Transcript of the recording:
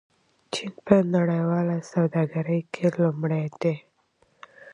چین په نړیواله سوداګرۍ کې لومړی دی.